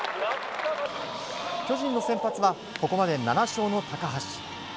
巨人の先発はここまで７勝の高橋。